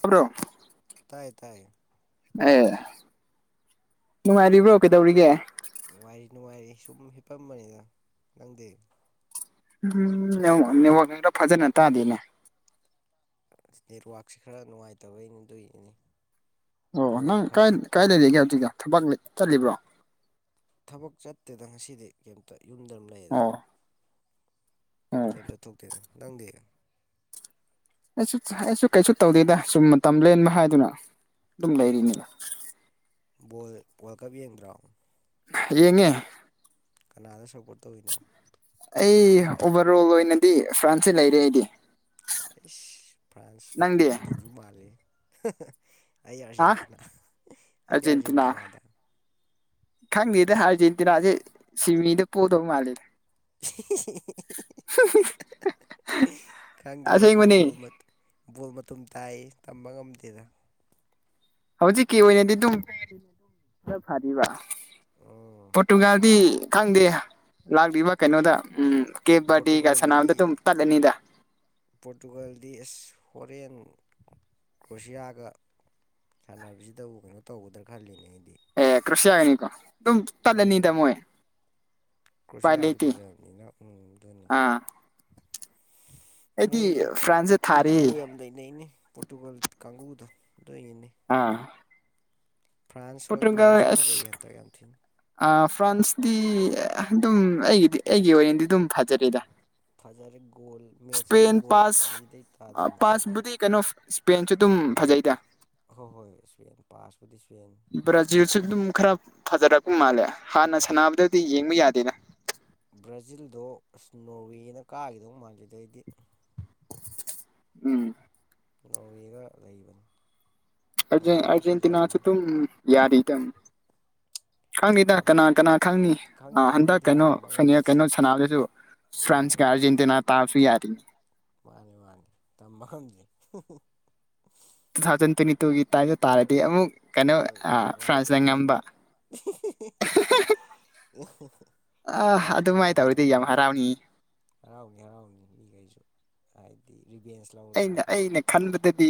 ꯈꯕ꯭ꯔꯣ ꯇꯥꯏꯌꯦ ꯇꯥꯏꯌꯦ ꯑꯦ ꯅꯨꯡꯉꯥꯏꯔꯤꯕ꯭ꯔꯣ ꯀꯩꯗꯧꯔꯤꯒꯦ ꯅꯨꯡꯉꯥꯏꯔꯤ ꯅꯨꯡꯉꯥꯏꯔꯤ ꯁꯨꯝ ꯍꯤꯞꯄꯝꯕꯅꯤꯅ ꯅꯪꯗꯦ ꯎꯔ ꯐꯖꯅꯠꯇꯗꯂ ꯅꯦꯠꯋꯥꯛꯁꯦ ꯈꯔ ꯅꯨꯡꯉꯥꯏꯇꯕꯩ ꯑꯗꯨꯏꯅꯤ ꯑꯣ ꯅꯪ ꯀ ꯀꯥꯏ ꯂꯩꯔꯤꯒꯦ ꯍꯧꯖꯤꯛꯇ ꯊꯕꯛ ꯆꯠꯂꯤꯕ꯭ꯔꯣ ꯊꯕꯛ ꯆꯠꯇꯦꯗ ꯉꯁꯤꯗꯤ ꯀꯩꯝꯇ ꯌꯨꯝꯗ ꯑꯃ ꯂꯩꯌꯦꯗ ꯑꯣ ꯑꯣ ꯀꯩꯝꯇꯠꯊꯣꯛꯇꯦꯅꯦ ꯅꯪꯗꯤ ꯑꯩꯁꯨ ꯑꯩꯁꯨ ꯀꯩꯁꯨ ꯇꯧꯗꯦꯗ ꯁꯨꯝ ꯃꯇꯝ ꯂꯦꯟꯕ ꯍꯥꯏꯗꯨꯅ ꯑꯗꯨꯝ ꯂꯩꯔꯤꯉ ꯕꯣꯜ ꯕꯣꯜ ꯀꯞ ꯌꯦꯡꯗ꯭ꯔꯣ ꯌꯦꯡꯉꯦ ꯀꯅꯥꯗ ꯁꯞꯄꯣꯔꯠ ꯇꯧꯔꯤꯤꯅꯣ ꯑꯩ ꯑꯣꯕꯔ ꯑꯣꯜ ꯑꯣꯏꯅꯗꯤ ꯐ꯭ꯔꯥꯟꯁꯁꯦ ꯂꯩꯔꯦ ꯑꯩꯗꯤ ꯑꯩꯥꯏꯁ ꯐ꯭ꯔꯥꯟꯁ ꯅꯪꯗꯤ ꯂꯧꯗꯧꯁꯨ ꯃꯥꯜꯂꯤ ꯑꯩ ꯍꯥ ꯑꯔꯖꯦꯟꯦꯟꯇꯤꯅꯥ ꯑꯩꯗꯤ ꯑꯔꯖꯦꯟꯇꯤꯅꯥ ꯑꯥꯔꯖꯦꯟꯇꯤꯅꯥ ꯑꯗ ꯈꯪꯗꯦꯗ ꯑꯥꯔꯖꯦꯟꯇꯤꯅꯥꯁꯦ ꯁꯤꯃꯤꯗ ꯄꯣꯗꯧ ꯃꯥꯜꯂꯤꯦꯗ [unintelligible] ꯈꯪꯗꯦꯗ ꯑꯁꯦꯡꯕꯅꯤ ꯕꯣ ꯕꯣꯜ ꯃꯇꯨꯝ ꯇꯥꯏ ꯇꯝꯕ ꯉꯝꯗꯦꯗ ꯍꯧꯖꯤꯛꯀꯤ ꯑꯣꯏꯅꯗꯤ ꯑꯗꯨꯝ ꯄꯝ ꯈꯔ ꯐꯔꯤꯕ ꯎꯝ ꯄꯣꯔꯇꯨꯒꯥꯜꯗꯤ ꯈꯪꯗꯦ ꯂꯥꯛꯂꯤꯕ ꯀꯩꯅꯣꯗ ꯎꯝ ꯀꯦꯕꯗꯤꯒ ꯄꯣꯔꯇꯨꯒꯜꯗꯤ ꯁꯅꯥꯝꯗ ꯑꯗꯨꯝ ꯇꯠꯂꯅꯤꯗ ꯄꯣꯔꯇꯨꯒꯜꯗꯤ ꯍꯣꯔꯦꯟ ꯀ꯭ꯔꯣꯁꯤꯌꯥꯒ ꯁꯥꯟꯅꯕꯁꯤꯗꯕꯨ ꯀꯩꯅꯣ ꯇꯧꯒꯗ꯭ꯔꯥ ꯈꯜꯂꯤꯅꯦ ꯑꯩꯗꯤ ꯑꯦ ꯀ꯭ꯁꯤꯤ ꯍꯥꯏꯅꯤꯀꯣ ꯑꯗꯨꯝ ꯇꯂꯦ ꯅꯅꯤꯇ ꯎꯝ ꯃꯣꯋꯦ ꯀ꯭ꯔꯣꯁꯤꯌꯥꯁꯨ ꯐꯖꯕꯅꯤꯅꯗꯨꯅꯤ ꯑꯥ ꯑꯩꯗꯤ ꯃꯣꯏ ꯐ꯭ꯔꯥꯟꯁꯇ ꯊꯥꯔꯦ ꯏꯒꯨ ꯌꯥꯝ ꯂꯩ ꯂꯩꯩꯅꯤ ꯄꯣꯔꯇꯨꯒꯥꯜ ꯀꯥꯡꯒꯕꯨꯗꯣ ꯗꯅꯤ ꯑꯥ ꯐ꯭ꯔꯥꯟꯁ ꯍꯣꯏ ꯄꯣꯔꯇꯨꯒꯜ ꯐ꯭ꯔꯥꯟꯁꯁꯨ ꯐꯖꯩꯌꯦ ꯑꯁ ꯍꯟꯇꯛ ꯌꯥꯝ ꯊꯤꯅ ꯑꯥ ꯐ꯭ꯔꯥꯟꯁꯇꯤ ꯑꯗꯨꯝ ꯑꯩꯒꯤꯗꯤ ꯑꯩꯒꯤ ꯑꯣꯏꯅꯗꯤ ꯑꯗꯨꯝ ꯐꯖꯔꯦꯗ ꯐꯖꯔꯦ ꯒꯣꯜ ꯃꯦꯠꯆ ꯑꯃꯗ ꯏꯁꯄꯦꯟ ꯒꯣꯜ ꯄꯥꯁ ꯑꯅꯤꯗꯩ ꯇꯥꯗꯅ ꯆꯜꯂꯦ ꯄꯥꯁꯕꯨꯗꯤ ꯀꯩꯅꯣ ꯏꯁꯄ꯭ꯔꯦꯟꯁꯨ ꯑꯗꯨꯝ ꯐꯖꯩꯗ ꯍ ꯍꯣꯏ ꯄꯥꯁ ꯭ꯔꯥꯖꯤꯜꯁꯨ ꯈꯔ ꯐꯖꯔ ꯃꯥꯜꯂꯦ ꯍꯥꯟꯅ ꯁꯥꯟꯅꯕꯗꯗꯤ ꯌꯦꯡꯕ ꯌꯥꯗꯦꯅꯦ ꯕ꯭ꯔꯥꯖꯤꯜꯗꯣ ꯑꯁ ꯅꯣꯔꯋꯦꯅ ꯀꯥꯈꯤꯗꯧ ꯃꯥꯥꯟꯜꯂꯤꯗꯩꯗꯤ ꯎꯝ ꯅꯧꯔꯤꯒ ꯂꯩꯕꯅꯤ ꯑꯔꯖꯦꯟ ꯅꯣꯔꯋꯦꯁꯨ ꯑꯔꯖꯦꯟꯇꯤꯅꯥꯁꯨ ꯐꯖꯕꯅꯤꯅ ꯇꯝ ꯌꯥꯗ ꯏꯗ ꯈꯪꯅꯤꯗ ꯇꯝꯕ ꯀꯅꯥ ꯀꯅꯥ ꯈꯪꯅꯤ ꯑ ꯈꯪꯗꯦ ꯍꯟꯗꯛ ꯈꯪꯗꯦ ꯀꯩꯅꯣ ꯇꯝꯕ ꯐꯅꯦꯛ ꯉꯝꯗꯦ ꯀꯩꯅꯣ ꯁꯥꯟꯅꯕꯗꯁꯨ ꯐ꯭ꯔꯥꯟꯁ ꯀ ꯃꯥꯅꯦ ꯑꯔꯖꯦꯟꯇꯤꯅꯥ ꯇꯥꯁꯨ ꯌꯥꯔꯔꯤ ꯃꯥꯅꯤ ꯃꯥꯅꯤ ꯊꯃꯥꯡ ꯇꯨ ꯊꯥꯎꯖꯟ ꯇ꯭ꯋꯦꯟꯇꯤ ꯇꯨꯒꯤ ꯇꯥꯏꯛꯇ ꯇꯥꯔꯗꯤ ꯑꯃꯨꯛ ꯀꯩꯅꯣ ꯍꯣꯏ ꯐ꯭ꯔꯥꯟꯁꯅ ꯅꯨꯡꯉꯥꯏꯗꯣꯏꯅꯤ ꯉꯝꯕ [unintelligible] ꯑ ꯅꯨꯡꯉꯥꯏꯗꯣꯏꯅꯤ ꯑꯗꯨꯃꯥꯏꯅ ꯇꯧꯔꯤꯗꯤ ꯌꯥꯝ ꯅꯨꯡꯉꯥꯏꯗꯣꯏꯅꯤ ꯍꯔꯥꯎꯅꯤꯤ ꯍꯔꯥꯎꯅꯤ ꯍꯔꯥꯎꯅꯤ ꯃꯤꯈꯩꯁꯨ ꯍꯥꯏꯗꯤ ꯔꯤꯚꯦꯟꯁ ꯑꯩꯅ ꯂꯧꯔꯦꯅꯀꯣ ꯑꯩꯅ ꯈꯟꯕꯗꯗꯤ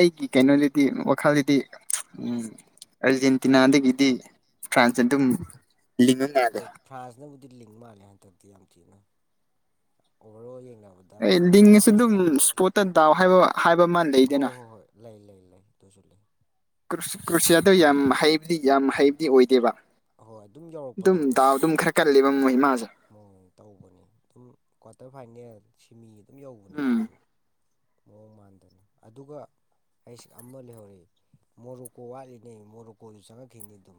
ꯑꯩꯒꯤ ꯀꯩꯅꯣꯗꯗꯤ ꯋꯥꯈꯜꯗꯗꯤ ꯎ ꯑꯔꯖꯦꯟꯇꯤꯅꯥꯗꯒꯤꯗꯤ ꯐ꯭ꯔꯥꯥꯟꯁꯤ ꯑꯗꯨ ꯍꯣꯏ ꯐ꯭ꯔꯥꯟꯁꯅꯕꯨꯗꯤ ꯂꯤꯡ ꯃꯥꯜꯂꯦ ꯍꯟꯗꯛꯇꯤ ꯌꯥꯝ ꯊꯤꯅ ꯑꯣꯕꯔꯜ ꯑꯦ ꯂꯤꯡꯉꯁꯨ ꯑꯗꯨꯝ ꯏꯁꯄꯣꯠꯇ ꯗꯥꯎ ꯍꯥꯏꯕ ꯍꯥꯏꯕ ꯑꯃ ꯂꯩꯗꯅ ꯇꯣꯜꯂꯦ ꯀ꯭ꯔꯨꯁꯤꯌꯥꯗꯣ ꯌꯥꯝ ꯍꯩꯗꯤ ꯌꯥꯝ ꯍꯩꯕꯗꯤ ꯑꯣꯏꯗꯦꯕ ꯍꯣꯏ ꯑꯗꯨꯝꯗꯥ ꯑꯗꯨꯝ ꯈꯔ ꯀꯜꯂꯤꯕꯝ ꯣꯏ ꯇꯧꯕꯅꯤ ꯑꯗꯨꯝ ꯀ꯭ꯋꯥꯇꯔ ꯐꯥꯏꯅꯦꯜ ꯁꯤꯃꯤ ꯑꯗꯨꯝ ꯌꯧꯕꯅꯦ ꯎꯝ ꯃꯣꯏꯁꯨ ꯃꯑꯣꯡ ꯃꯥꯟꯗꯅ ꯑꯗꯨꯒ ꯑꯩꯁ ꯑꯃ ꯂꯩꯍꯧꯔꯤꯏ ꯃꯣꯔꯣꯛꯀꯣ ꯋꯥꯠꯂꯤꯅꯦ ꯃꯣꯔꯣꯀꯣꯁꯨ ꯆꯪꯉꯛꯈꯤꯅꯤ ꯑꯗꯨꯝ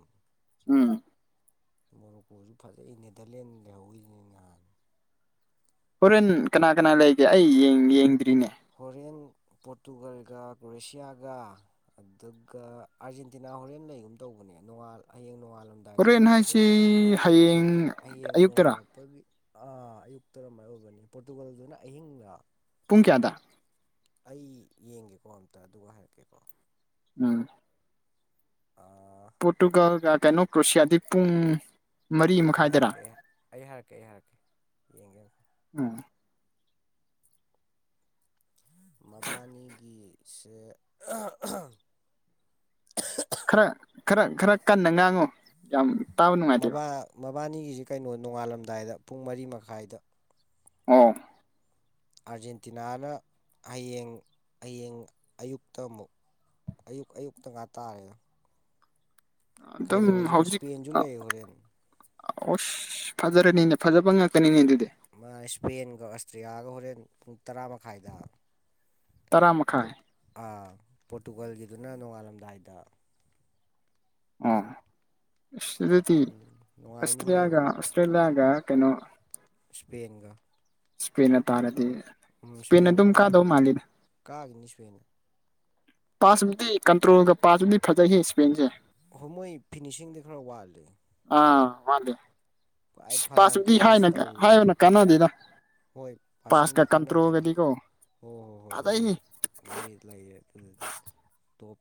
ꯎꯝ ꯃꯕꯣꯔꯣꯀꯣꯁꯨ ꯐꯖꯩ ꯑꯩ ꯅꯦꯗꯔꯂꯦꯟ ꯂꯩꯍꯧꯔꯤꯁꯤꯅꯦ ꯅꯍꯥꯟ ꯍꯣꯔꯦꯟ ꯀꯅꯥ ꯀꯅꯥ ꯂꯩꯒꯦ ꯑꯩ ꯌꯦꯡꯗ꯭ꯔꯤꯅꯦ ꯍꯣꯔꯦꯟ ꯄꯣꯔꯇꯨꯒꯜꯒ ꯀ꯭ꯔꯣꯋꯁꯤꯌꯥꯒ ꯑꯗꯨꯒ ꯑꯥꯔꯖꯦꯟꯇꯤꯅꯥ ꯆ ꯍꯣꯔꯦꯟ ꯂꯩꯒꯨꯝ ꯇꯧꯕꯅꯦ ꯅꯉ ꯍꯌꯦꯡꯂ ꯅꯉꯜ ꯍꯣꯔꯦꯟꯅ ꯍꯥꯏꯁꯤ ꯍꯌꯦꯡ ꯍꯌꯦꯡ ꯑꯌꯨꯛꯛꯇꯔꯥ ꯅꯣꯡꯉꯥꯜꯂꯛꯄꯒꯤ ꯑꯥ ꯑꯌꯨꯛ ꯇꯔꯃꯥꯏꯅ ꯑꯣꯏꯕꯅꯤ ꯄꯣꯔꯇꯨꯒꯜꯗꯨꯅ ꯑꯍꯤꯡꯗ ꯄꯨꯡ ꯀꯌꯥꯗ ꯑꯩ ꯌꯦꯡꯒꯦꯀꯣ ꯑꯝꯇ ꯑꯗꯨꯒ ꯍꯥꯏꯔꯛꯀꯦꯀꯣ ꯎꯝ ꯑꯩ ꯄꯣꯣꯔꯇꯨꯒꯜ ꯀꯩꯅꯣ ꯀ꯭ꯔꯣꯁꯤꯌꯥꯗꯤ ꯄꯨꯡ ꯃꯔꯤ ꯑꯩ ꯃꯈꯥꯏꯗꯔꯥ ꯍꯥꯏꯔꯛꯀꯦ ꯑꯩ ꯑꯩ ꯍꯥꯏꯔꯛꯀꯦ ꯑꯩ ꯍꯥꯏꯔꯛꯀꯦ ꯌꯦꯡꯒꯦ ꯎꯝ ꯃꯕꯥꯅꯤꯒꯤ ꯁ ꯈꯔ ꯈꯔ ꯈꯔ ꯀꯟꯅ ꯉꯥꯡꯉꯨ ꯌꯥꯝ ꯇꯥꯕ ꯅꯨꯡꯉꯥꯏꯇꯦꯕ ꯁꯤ ꯀꯩꯅꯣ ꯅꯣꯡꯉꯥꯜꯂꯝꯗꯥꯏꯗ ꯄꯨꯡ ꯃꯔꯤ ꯃꯈꯥꯏꯗ ꯑꯣ ꯑꯥꯔꯖꯦꯟꯇꯤꯅꯥꯅ ꯍꯌꯦꯡ ꯍꯌꯦꯡ ꯑꯌꯨꯛꯇ ꯑꯃꯨꯛ ꯑꯌꯨꯛ ꯑꯌꯨꯛꯇ ꯉꯥ ꯇꯥꯔꯦꯗ ꯑꯗꯨꯝ ꯀꯩꯅꯣꯁꯨ ꯏꯁꯄꯦꯟꯁꯨ ꯂꯩ ꯍꯣꯔꯦꯟ ꯑꯣꯁ ꯐꯖꯔꯦꯅꯦꯅꯦ ꯐꯖꯕ ꯉꯥꯛꯀꯅꯤꯅꯦꯗꯤ ꯏꯁꯄꯦꯟꯒ ꯑꯁꯇ꯭ꯔꯤꯂꯤꯌꯥꯒ ꯍꯣꯔꯦꯟ ꯄꯨꯡ ꯇꯔꯥ ꯃꯈꯥꯏꯗ ꯇꯔꯥ ꯃꯈꯥꯏ ꯄꯣꯔꯇꯨꯒꯜꯒꯤꯗꯨꯅ ꯅꯣꯡꯉꯥꯜꯂꯝꯗꯥꯏꯗ ꯑꯣꯗꯤ ꯅꯨꯡꯉꯥꯏꯅꯤ ꯑꯁ ꯍꯣꯔꯦꯟ ꯌꯥꯒ ꯑꯁ꯭ꯔꯦꯌꯥꯒ ꯀꯩꯅꯣ ꯏꯁꯄꯦꯒ ꯏꯁꯄꯦ ꯇꯥꯔꯗꯤ ꯎꯝ ꯏꯁꯄꯦꯟ ꯁꯋꯦꯟꯅ ꯑꯗꯨꯝ ꯀꯥꯗꯧ ꯀꯥꯒꯤꯅꯤ ꯃꯥꯜꯂꯤꯗ ꯀꯥꯒꯤꯅꯤ ꯁꯨꯋꯦꯟꯅ ꯄꯥꯁꯕꯨꯗꯤ ꯀꯟꯇ꯭ꯔꯣꯜꯒ ꯄꯥꯁꯕꯨꯗꯤ ꯐꯖꯈꯤ ꯏꯁꯄꯦꯟꯁꯦ ꯍꯣꯏ ꯃꯣꯏ ꯐꯤꯅꯤꯁꯤꯡꯗꯤ ꯈꯔ ꯋꯥꯠꯂꯤ ꯑꯥ ꯃꯥꯗꯦ ꯈ꯭ꯋꯥꯏ ꯐꯔꯥꯟ ꯄꯥꯁꯨꯗꯤ ꯇꯣꯔꯦꯁ ꯍꯥꯏꯅ ꯇꯧꯋꯤ ꯍꯥꯏꯕꯅ ꯀꯥꯟꯅꯗꯦꯗ ꯃꯣꯏ ꯄꯥꯁ ꯀ ꯄꯥꯁꯤꯡꯗꯤ ꯀꯝ ꯀꯥꯟꯅꯗ꯭ꯔꯦ ꯇ꯭ꯔꯣꯒꯗꯤꯈꯣ ꯍꯣꯏ ꯍꯣꯏ ꯍꯣꯏ ꯃꯣꯏ ꯃꯣꯏ ꯂꯩꯔꯦ ꯑꯗꯨꯗꯤ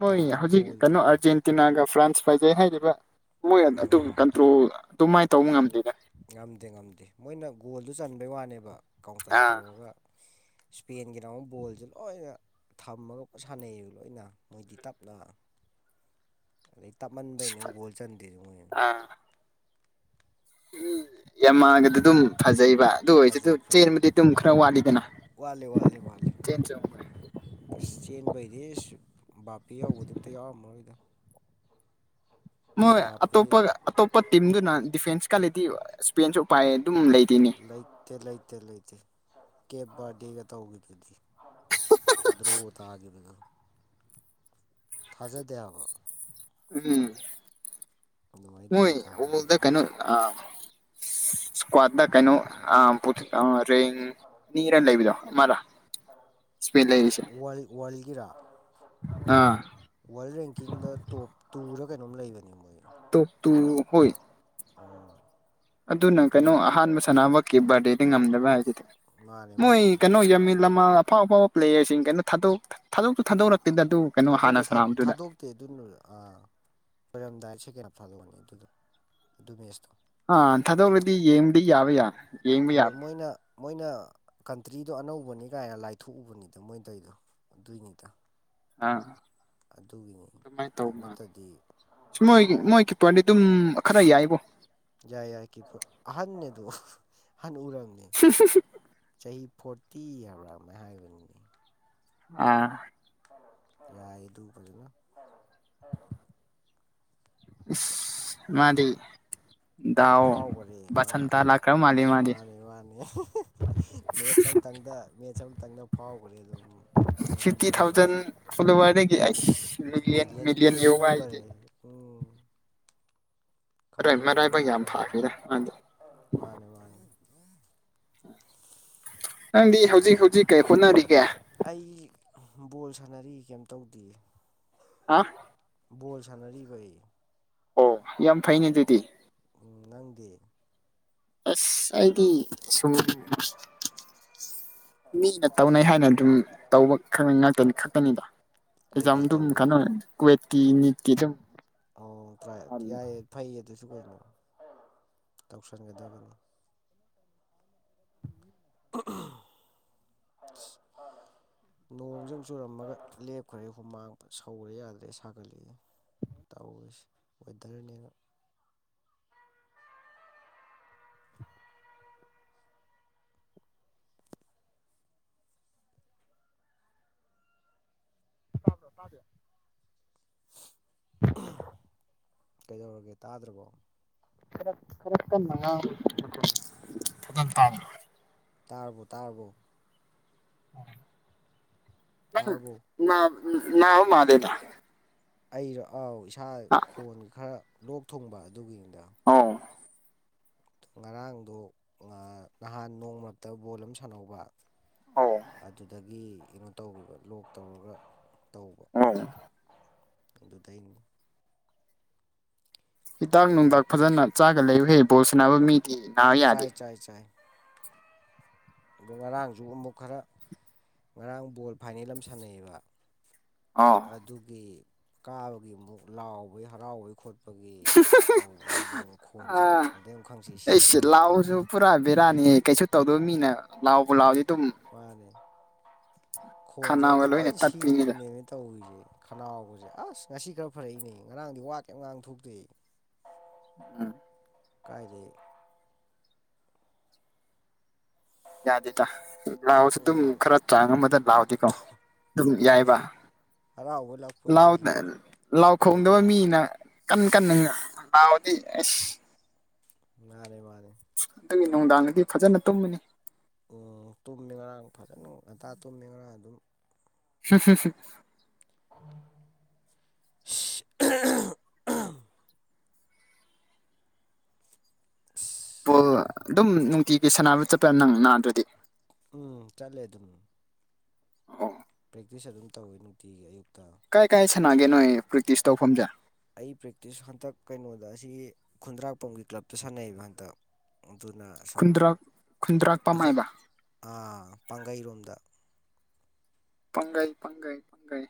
ꯍꯣꯏ ꯍꯧꯖꯤꯛ ꯀꯩꯅꯣ ꯑꯔꯖꯦꯟꯇꯤꯤꯟꯒ ꯐ꯭ꯔꯥꯟꯁ ꯐꯥꯏꯖꯩ ꯍꯥꯏꯔꯤꯕ ꯃꯣꯏ ꯑꯗꯨ ꯎꯝ ꯀꯟꯇ꯭ꯔꯣꯜ ꯑꯗꯨꯃꯥꯏꯅ ꯇꯧꯕ ꯉꯝꯗꯦꯗ ꯉꯝꯗꯦ ꯉꯝꯗꯦ ꯃꯣꯏꯅ ꯒꯣꯜꯗꯨ ꯆꯟꯕꯩ ꯋꯥꯅꯦꯕ ꯀꯥꯎꯟꯇꯔ ꯑꯥ ꯇꯧꯔꯒ ꯏꯁꯄꯦꯟꯒꯤ ꯔꯥꯎ ꯕꯣꯜꯁꯦ ꯂꯣꯏꯅ ꯊꯝꯃꯒ ꯄꯣꯠ ꯁꯥꯟꯅꯩꯌꯦꯕ ꯂꯣꯏꯅ ꯃꯣꯏꯗꯤ ꯇꯞꯅ [unintelligible] ꯇꯞꯃꯟꯕꯩꯩꯅ ꯒꯣꯜ ꯆꯟꯗꯦꯁꯨ ꯃꯣꯏꯁ ꯎꯝ ꯌꯥꯝꯃꯥꯡꯒꯗꯤ ꯑꯗꯨꯝ ꯐꯖꯩ ꯑꯗꯨ ꯑꯣꯏꯁꯤ ꯐꯖꯩ ꯐꯖꯩ ꯆꯦꯟꯕꯗꯤ ꯑꯗꯨꯝ ꯈꯔ ꯋꯥꯠꯂꯤꯗꯅ ꯋꯥꯠꯂꯤ ꯋꯥꯠꯂꯤ ꯋꯥꯠꯂꯤ ꯆꯦꯟ ꯆ ꯑꯁ ꯆꯦꯟꯕꯩꯗꯤ ꯑꯁ ꯕꯥꯞꯄꯤ ꯌꯧꯕꯗꯤ ꯑꯝꯇ ꯌꯥꯎꯔꯝꯃꯔꯣꯏꯗꯣ ꯃꯣꯏ ꯕꯥꯄꯦ ꯑꯇꯣꯞꯄ ꯑꯇꯣꯞꯄ ꯇꯤꯝꯗꯨꯅ ꯗꯤꯐꯦꯟꯁꯀꯂꯗꯤ ꯑꯦꯄꯦꯟꯁꯨ ꯄꯥꯏ ꯂꯩꯇ ꯂꯩꯇ ꯂꯩꯇ ꯀꯦ ꯔꯗꯒ ꯇꯧꯈꯤꯕꯗꯨꯗꯤ ꯗ꯭ꯔꯣ ꯇꯥꯈꯤꯕꯅ ꯊꯥꯖꯗꯦ ꯍꯥꯏꯕ ꯎꯝ ꯑꯗꯨꯃꯥꯏꯅ ꯗ꯭ꯔꯣ ꯍꯣꯏ ꯇꯥꯅꯤ ꯎꯃꯗ ꯀꯩꯅꯣ ꯑ ꯏꯁꯀꯋꯥꯠ ꯀꯩꯅꯩꯅꯣ ꯑ ꯄꯊ ꯇꯦꯡ ꯑꯅꯤꯔ ꯂꯩꯕꯗꯣ ꯃꯥꯗ ꯏꯁꯄꯤꯠ ꯂꯩꯔꯤꯁꯦ ꯋꯥꯔꯜ ꯋꯥꯔꯜꯒꯤꯔꯥ ꯑꯥ ꯋꯥꯔꯜ ꯔꯦꯡꯀꯤꯡꯗ ꯇꯣꯞ ꯇꯗ ꯀꯩꯅꯣꯝ ꯂꯩꯕꯅꯤ ꯃꯣꯏ ꯇ ꯇꯨ ꯍꯣꯏ ꯑꯝ ꯑꯗꯨꯅ ꯀꯩꯅꯣ ꯑꯍꯥꯟꯕ ꯁꯅꯥꯃꯀꯤ ꯕꯥꯔꯗꯦꯗꯤ ꯉꯝꯗꯕ ꯍꯥꯏꯈꯤꯗꯤ ꯃꯥꯅꯦ ꯃꯣꯏ ꯃꯥꯅꯦ ꯀꯩꯅꯣ ꯌꯥꯝꯃꯤꯂꯝꯃꯜ ꯑꯐꯥꯎ ꯑꯐꯥꯎꯕ ꯄ꯭ꯂꯦꯌꯥꯔꯁꯤꯡ ꯀꯩꯅꯣ ꯊꯥꯗꯣꯛ ꯊꯥꯗꯣꯛꯇꯨ ꯊꯥꯗꯛ ꯊꯥꯗꯣꯛꯇꯦ ꯊꯥꯗꯣꯛꯇꯦ ꯑꯗꯨꯅꯥ ꯑꯣꯏꯣꯏꯔꯝꯗꯥꯏ ꯁꯦꯀ ꯊꯥꯗꯣꯛꯑꯅꯤ ꯑꯗꯨꯗꯣ ꯑꯗꯨ ꯃꯦꯁꯇꯣ ꯑ ꯊꯥꯗꯣꯛꯔꯗꯤ ꯌꯦꯡꯕꯗꯤ ꯌꯥꯕ ꯌꯥꯔ ꯍꯣꯏ ꯃꯣꯏꯅ ꯃꯣꯏꯅ ꯀꯟꯇ꯭ꯔꯤꯗꯣ ꯑꯅꯧꯕꯅꯤ ꯀꯥꯏꯅ ꯂꯥꯏꯊꯣꯛꯎꯕꯅꯤꯗ ꯃꯣꯏꯗꯩꯗꯣ ꯑꯗꯨꯏꯅꯤꯗ ꯑ ꯑꯗꯨꯒꯤꯅꯤ ꯑꯗꯨꯃꯥꯏ ꯇꯧ ꯃꯥ ꯅꯠꯇꯗꯤ ꯃꯣꯏ ꯄ ꯑꯗꯨꯝ ꯈꯔ ꯌꯥꯏꯕꯣ ꯌꯥꯏ ꯌꯥꯏ ꯑꯍꯟꯅꯅꯦꯗ ꯑꯍꯟ ꯎꯔꯪꯅꯦ ꯆꯍꯤ ꯐꯣꯔꯇꯤ ꯍꯥꯏꯕ꯭ꯔꯅꯦ ꯍꯥꯏꯕꯅꯤꯅꯦ ꯑꯥ ꯌꯥꯏ ꯑꯗꯨꯕꯕ ꯏ ꯃꯥꯗꯤꯗꯎ ꯁꯟꯇ ꯂ ꯀ꯭ꯔꯝ ꯃꯥꯅꯤ ꯃꯥꯅꯦ ꯃꯦꯠꯁ ꯑꯃꯇꯪꯗ ꯃꯦꯠꯁ ꯑꯃꯇꯪꯗ ꯐꯥꯎꯈ꯭ꯔꯦ ꯑꯗꯨꯝ ꯐꯤꯐꯇꯤ ꯊꯥꯎꯖꯟ ꯃꯔꯥꯏꯕꯛꯁꯦ ꯐꯂꯕꯔꯒꯤ ꯑꯩ ꯃꯤꯂꯤꯌꯟ ꯃꯤꯂꯤꯌꯟ ꯌꯧꯈꯔꯦ ꯎꯝ ꯃꯔꯥꯏ ꯈꯪꯍꯧꯗꯤ ꯃꯤ ꯃꯔꯥꯏꯕꯛ ꯌꯥꯝ ꯃꯌꯥꯝ ꯐꯈ꯭ꯔꯦꯗ ꯃꯥꯗꯤ ꯃꯥꯅꯦ ꯃꯥꯅꯦ ꯅꯪꯗꯤ ꯍꯧꯖꯤꯛ ꯍꯧꯖꯤꯛ ꯀꯩ ꯍꯣꯠꯅꯔꯤ ꯑꯩ ꯕꯣꯜ ꯁꯥꯟꯅꯔꯤ ꯀꯩꯝꯇꯧꯗꯦ ꯑ ꯕꯣꯜ ꯁꯥꯟꯅꯔꯤꯕꯈꯩ ꯑꯣ ꯌꯥꯝ ꯐꯩꯅꯦ ꯇꯗꯤꯤ ꯅꯪꯗꯤ ꯑꯁ ꯑꯩꯗꯤ ꯁꯃꯤ ꯃꯤꯅ ꯇꯧꯅꯩ ꯍꯥꯏꯅ ꯑꯗꯨꯝ ꯇꯧꯕ ꯉꯥꯛꯇꯅꯤ ꯈꯛꯇꯅꯤꯗ ꯑꯦꯖꯥꯝ ꯀꯩꯀꯩ ꯑꯗꯨꯝ ꯇꯧꯒꯦ ꯀꯩꯅꯣ ꯀꯋꯦꯠꯀꯤ ꯅꯤꯠꯀꯤ ꯑꯗꯨꯝ ꯑꯣ ꯇ ꯌꯥꯏꯌꯦ ꯐꯩꯌꯦ ꯑꯗꯨꯁꯨ ꯀꯩꯅꯣ ꯇꯧꯁꯤꯟꯒꯗꯕꯅꯤ [inaudible] [unintelligible] ꯅꯣꯡꯁ ꯑꯃ ꯆꯨꯔꯝꯃꯒ ꯂꯦꯞꯈ꯭ꯔꯦ ꯍꯨꯃꯥꯡ ꯁꯧꯔꯦ ꯌꯥꯗ꯭ꯔꯦ ꯁꯥꯒꯠꯂꯁꯦ ꯇ ꯑꯣꯏꯗꯔꯅꯤꯅ ꯑ ꯇꯥꯕ꯭ꯔꯣ ꯇꯥꯗꯦ ꯀꯩꯗꯧꯔꯒꯦ ꯇꯥꯗ꯭ꯔꯕꯣ ꯈꯔ ꯈꯔ ꯀꯟꯅ ꯉꯥꯡꯉꯨ ꯐꯖꯅ ꯇꯥꯕ ꯇꯥꯔꯕꯣ ꯇꯥꯔꯕꯣ ꯇꯥꯔꯕꯣ ꯅꯪ ꯅꯥꯕ ꯃꯥꯟꯂꯤꯗ ꯑꯩ ꯑꯥꯎ ꯏꯁꯥ ꯈꯣꯟꯒꯤ ꯈꯔ ꯂꯣꯛ ꯊꯨꯡꯕ ꯑꯗꯨꯒꯤ ꯑꯣ ꯉꯔꯥꯡꯗꯣ ꯅꯍꯥꯟ ꯅꯣꯡꯃꯔꯛꯇ ꯕꯣꯜ ꯑꯃ ꯁꯥꯟꯅꯧꯕ ꯑꯣ ꯑꯗꯨꯗꯒꯤ ꯀꯩꯅꯣ ꯇꯧ ꯂꯣꯛ ꯇꯧꯔꯒ ꯇꯧꯕ ꯑ ꯑꯗꯨꯗꯩꯅꯤ ꯍꯤꯗꯥꯛ ꯑꯗꯩ ꯉꯥ ꯅꯨꯡꯊꯥꯛ ꯐꯖꯅ ꯆꯥꯔꯒ ꯂꯩꯔꯨꯍꯦ ꯕꯣꯜ ꯁꯥꯟꯅꯕ ꯃꯤ ꯆꯥꯏ ꯆꯥꯏ ꯆꯥꯏ ꯑꯗꯣ ꯉꯔꯥꯡꯁꯨ ꯑꯃꯨꯛ ꯈꯔ ꯉꯔꯥꯡ ꯕꯣꯜ ꯐꯥꯏꯅꯦꯜ ꯑꯃ ꯁꯥꯟꯅꯩꯑꯌꯦꯕ ꯑꯥ ꯑꯗꯨꯒꯤ ꯀꯥꯕꯒꯤ ꯑꯃꯨꯛ ꯂꯥꯎꯕꯩ ꯍꯔꯥꯎꯕꯩ ꯈꯣꯠꯄ ꯑꯩꯈꯣꯏꯒꯤ ꯇꯧꯕꯗꯨꯗ ꯑꯃꯨꯛ ꯈꯣꯟꯁꯦ ꯑꯥ ꯑꯩ ꯑꯃꯨꯛ ꯈꯪꯁꯤ ꯁꯤꯈ꯭ꯔꯕ ꯕꯦꯔꯥꯅꯤ ꯀꯩꯁꯨ ꯇꯧꯗꯕ ꯃꯤꯅ ꯂꯥꯎꯕꯨ ꯂꯥꯎꯔꯗꯤ ꯑꯗꯨꯝ ꯃꯥꯅꯦ ꯈꯣꯟꯁꯦ ꯈꯅꯥꯎꯒ ꯑꯗ ꯂꯣꯏꯅ ꯂꯣꯏ ꯇꯠꯄꯤꯅꯤꯗ ꯁꯤꯈꯤꯕꯅꯦꯅꯦ ꯇꯧꯔꯤꯁꯦ ꯈꯅꯥꯎꯕꯁꯦ ꯑꯁ ꯉꯁꯤ ꯈꯔ ꯐꯔꯛꯏꯅꯦ ꯉꯔꯥꯡꯗꯤ ꯋꯥ ꯀꯩꯝ ꯉꯥꯡ ꯊꯣꯛꯇꯦ ꯎꯝ ꯀꯥꯏꯗꯩ ꯌꯥꯗꯦꯗ ꯂꯥꯎꯔꯁꯨ ꯑꯗꯨꯝ ꯎꯝ ꯈꯔ ꯆꯥꯡ ꯑꯃꯗ ꯂꯥꯎꯔꯗꯤꯀꯣ ꯑꯗꯨꯝ ꯌꯥꯏꯕ ꯍꯔꯥꯎꯕꯣꯏ ꯂꯥꯛꯄꯣꯏ ꯂꯥꯎ ꯑꯩꯈꯣꯏꯁꯨ ꯀꯩꯅꯣ ꯇꯧꯕ ꯀꯟꯅ ꯀꯟꯅ ꯂꯥꯎꯔꯗꯤ ꯑꯁ ꯃꯥꯅꯦ ꯃꯥꯅꯦ ꯑꯗꯨꯒꯤ ꯅꯨꯡꯗꯥꯡꯗꯗꯤ ꯐꯖꯅ ꯇꯨꯝꯕꯅꯤ ꯇꯨꯝꯃꯤ ꯉꯔꯥꯡ ꯐꯖꯅ ꯉꯟꯇꯥ ꯇꯨꯝꯃꯤ ꯉꯔꯥꯡ ꯑꯗꯨꯝ ꯁꯦ ꯁꯦ ꯁꯦ ꯑꯍꯝ ꯑꯍꯝ ꯑꯍꯝ [inaudible] ꯑꯣ ꯑꯗꯨꯝ ꯅꯨꯡꯇꯤꯒꯤ ꯁꯥꯟꯅꯕ ꯆꯠꯄ ꯅꯪ ꯅꯥꯗ꯭ꯔꯗꯤ ꯎꯝ ꯆꯠꯂꯦ ꯑꯗꯨꯝ ꯑꯣ ꯄ꯭ꯔꯦꯛꯇꯤꯁ ꯑꯗꯨꯝ ꯇꯧꯋꯤ ꯅꯨꯡꯇꯤꯒꯤ ꯑꯌꯨꯛꯇ ꯀꯥꯏ ꯀꯥꯏ ꯁꯥꯟꯅꯒꯦ ꯅꯣꯏ ꯄ꯭ꯔꯦꯛꯇꯤꯁ ꯇꯧꯐꯝꯁꯦ ꯑꯩ ꯄ꯭ꯔꯦꯛꯇꯤꯁ ꯍꯟꯇꯛ ꯀꯩꯅꯣꯗ ꯑꯁꯤ ꯈꯨꯟꯗ꯭ꯔꯥꯛꯄꯝꯒꯤ ꯀ꯭ꯂꯞꯇ ꯁꯥꯟꯅꯩꯑꯕ ꯍꯟꯗꯛ ꯑꯗꯨꯅ ꯑ ꯁꯨꯝ ꯈꯨꯟꯗ꯭ꯔꯛ ꯈꯨꯟꯗ꯭ꯔꯥꯛꯄꯝ ꯑꯁꯨꯝ ꯍꯥꯏꯕ ꯑ ꯄꯥꯡꯒꯩꯔꯣꯝꯗ ꯄꯥꯡꯒꯩ ꯄꯥꯡꯒꯩ ꯄꯥꯡꯒꯩ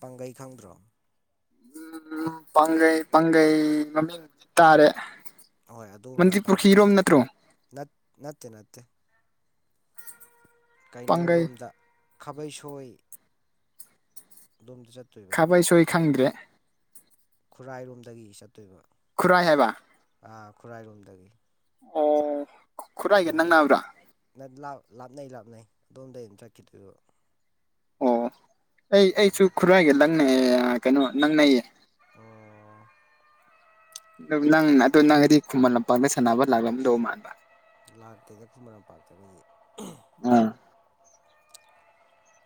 ꯄꯥꯡꯒꯩ ꯈꯪꯗ꯭ꯔꯣ ꯎꯝ ꯄꯥꯡꯒꯩ ꯄꯥꯡꯒꯩ ꯃꯃꯤꯡ ꯗꯤ ꯇꯥꯔꯦ ꯍꯣꯏ ꯑꯗꯣꯝ ꯃꯟꯗꯤ ꯅꯥꯀꯟꯗ ꯄꯨꯈ꯭ꯔꯤꯔꯣꯝ ꯅꯠꯇ꯭ꯔꯣ ꯅꯠꯇꯦ ꯅꯠꯇꯦ ꯅꯠꯇꯦ ꯄꯥꯡꯒꯩ ꯀꯩꯅꯣꯔꯣꯝꯗ ꯈꯥꯕꯩ ꯁꯣꯏ ꯈꯥꯕꯩ ꯁꯣꯏ ꯈꯪꯗ꯭ꯔꯦ ꯈꯨꯔꯥꯏꯔꯣꯝꯗꯒꯤ ꯆꯠꯇꯣꯏꯕ ꯈꯨꯔꯥꯏ ꯍꯥꯏꯕ ꯑꯥ ꯈꯨꯔꯥꯏꯔꯣꯝꯗꯒꯤ ꯑꯣ ꯈꯨꯔꯥꯏꯒ ꯑꯗꯣꯝꯗꯒꯤ ꯅꯛꯅꯕ꯭ꯔꯥ ꯅ ꯂꯥꯞꯅꯩ ꯂꯥꯞꯅꯩ ꯑꯗꯣꯝꯗꯒꯤ ꯆꯠꯈꯤꯗꯣꯏꯕ ꯑꯣ ꯑꯩ ꯑꯩꯁꯨ ꯈꯨꯔꯥꯏꯒ ꯂꯪꯅꯩ ꯀꯩꯅꯣ ꯅꯪꯅꯩꯌꯦ ꯑꯣ ꯑꯗꯨ ꯅꯪ ꯑꯗꯣ ꯅꯪꯗꯤ ꯈꯨꯃꯟ ꯂꯝꯄꯥꯛꯗ ꯁꯥꯟꯅꯕ ꯂꯥꯛꯂꯝꯗꯧ ꯃꯥꯟꯕ ꯂꯥꯛꯇꯗ ꯃꯔꯥꯡꯄꯥꯛꯥꯛꯇꯕꯗꯤ ꯑꯥ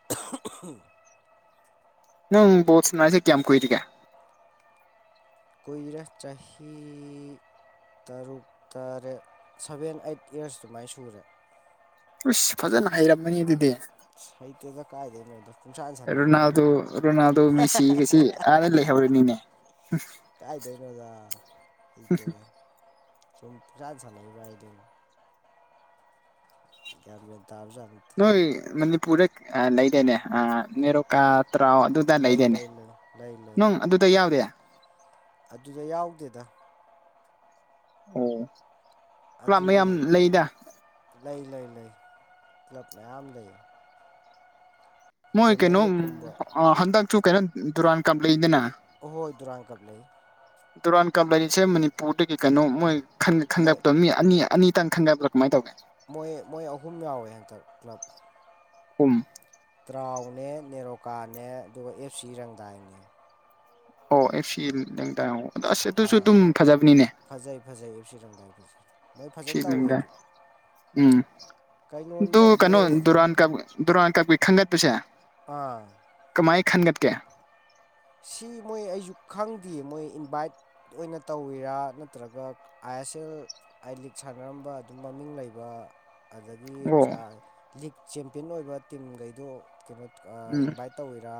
[unintelligible] ꯅꯪ ꯣꯠ ꯁꯅꯥꯔꯁꯤꯦ ꯀꯃ ꯀꯣꯏꯔꯒꯦ ꯑꯣꯏꯔ ꯆ ꯆꯍꯤꯦ ꯇꯔꯨꯛ ꯇꯔꯦꯠ ꯁꯚꯦꯟ ꯑꯩꯠ ꯏꯌꯥꯔꯁ ꯑꯗꯨꯃꯥꯏꯅ ꯁꯨꯔꯦ ꯑꯁ ꯐꯖꯅ ꯍꯩꯔꯝꯃꯅꯤ ꯑꯗꯨꯗꯤ ꯑꯁ ꯍꯩꯇꯦꯗ ꯀꯥꯏꯗꯩꯅꯣꯗ ꯄꯨꯡꯁꯥꯟ ꯁꯥꯟꯅꯩꯕ ꯔꯣꯅꯥꯜꯗꯣ ꯍꯥꯏꯗꯨꯅꯤ ꯔꯣꯅꯥꯜꯗꯣ ꯃꯤꯁꯤꯁꯤ ꯑ ꯂꯦꯈ ꯄꯨꯅꯤꯅꯦ ꯀꯥꯏꯗꯦꯅꯣꯗ ꯏꯇꯗ ꯁꯨꯝ ꯄꯨꯔꯥꯖꯂꯕ ꯍꯥꯏꯗꯤ ꯌꯥꯝꯒ ꯅꯣꯏ ꯃꯅꯤꯄꯨꯔꯗ ꯂꯩꯔꯦꯅꯦ ꯑ ꯅꯦꯔꯣꯀꯥ ꯇꯔꯥ ꯑꯗꯨꯗ ꯂꯩ ꯂꯩꯗꯦꯅꯦ ꯂꯩ ꯂꯩ ꯂꯩ ꯂꯩ ꯅꯨꯡ ꯑꯗꯨꯗ ꯌꯥꯎꯗꯦ ꯑꯗꯨꯗ ꯌꯥꯎꯗꯦꯗ ꯑꯣ ꯀ꯭ꯂꯥꯞ ꯃꯌꯥꯝ ꯑꯗꯨꯒꯤ ꯂꯩꯗ ꯂꯩ ꯂꯩ ꯂꯩ ꯀ꯭ꯂꯕ ꯃꯌꯥꯝ ꯂꯩꯌꯦ ꯃꯣꯏ ꯀꯩꯅꯣ ꯎ ꯍꯟꯗ ꯆꯨ ꯀꯩꯅꯣ ꯗꯨꯔꯥꯟ ꯀꯝꯄ꯭ꯂꯗꯦꯅ ꯍꯣꯏ ꯗꯔꯥꯡ ꯀꯄ ꯂꯩ ꯗꯨꯨꯔꯥꯟ ꯀꯞ ꯂꯩꯔꯤꯁꯦ ꯃꯅꯤꯄꯨꯔꯗꯒꯤ ꯀꯩꯅꯣ ꯃꯣꯏ ꯃꯣꯏ ꯈꯟꯗꯄꯗꯣ ꯃꯤ ꯑꯅꯤ ꯑꯅꯤ ꯇꯪꯒꯗ꯭ꯔ ꯀꯃꯥꯏ ꯇꯧꯦ ꯃꯣꯏ ꯃꯣꯏ ꯑꯍꯨꯝ ꯌꯥꯎꯋꯦ ꯍꯟꯇꯛ ꯎꯝ ꯇꯔꯥꯎꯅꯦ ꯅꯦꯔꯣꯀꯥꯅꯦ ꯑꯗꯨꯒ ꯑꯦꯞ ꯁꯤ ꯔꯪꯗꯥꯏꯅꯦ ꯑꯣ ꯑꯦ ꯁꯤ ꯂꯦꯡꯗꯥ ꯑꯁ ꯑꯗꯨꯁꯨ ꯑꯥ ꯑꯗꯨꯝ ꯐꯖꯕꯅꯤꯅꯦ ꯐꯖꯩ ꯐꯖꯩ ꯑꯦꯐ ꯁꯤ ꯔꯪꯗꯥꯏ ꯐꯖꯩ ꯃꯣꯏ ꯁꯤ ꯐꯖꯅ ꯇꯧꯋꯦ ꯂꯦꯡꯗꯥ ꯑꯗꯨ ꯎꯝ ꯑꯗꯨꯗꯨ ꯀꯩꯅꯣꯅꯤꯗ ꯀꯩꯅꯣ ꯕꯣꯜ ꯗꯨꯔꯥꯟ ꯀ ꯗꯨꯔꯥꯟ ꯀꯛꯒꯤ ꯈꯟꯒꯠꯄꯨꯁꯦ ꯎꯝ ꯃꯥꯏ ꯈꯟꯒꯠꯀꯦ ꯁꯤ ꯃꯣꯏ ꯑꯩꯁꯨ ꯈꯪꯗꯦ ꯃꯣꯏ ꯏꯟꯚꯥꯏꯠ ꯑꯣꯏꯅ ꯇꯧꯋꯤꯔꯥ ꯅꯠꯇ꯭ꯔꯒ ꯑꯥꯏ ꯑꯦꯁ ꯑꯦꯜ ꯑꯥꯏ ꯂꯤꯛ ꯁꯥꯟꯅꯔꯝꯕ ꯑꯗꯨꯝ ꯃꯃꯤꯡ ꯂꯩꯕ ꯑꯗꯒꯤ ꯑꯣ ꯆ ꯂꯤꯛ ꯆꯦꯝꯄꯤꯌꯟ ꯑꯣꯏꯕ ꯇꯤꯝꯈꯩꯗꯣ ꯀꯩꯅꯣ ꯎꯝ ꯏꯟꯚꯥꯏꯠ ꯇꯧꯕꯋꯤꯔꯥ